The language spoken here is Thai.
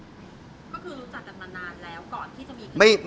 ก็คือรู้จักกันมานานแล้วก่อนที่จะมีคลิป